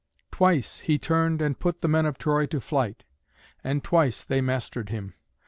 Twice he turned and put the men of Troy to flight, and twice they mastered him.